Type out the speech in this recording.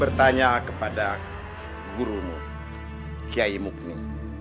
bertanya kepada gurumu kiai mukni